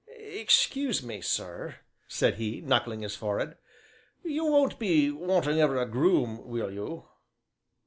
"Excuse me, sir," said he, knuckling his forehead, "you won't be wanting ever a groom, will you?"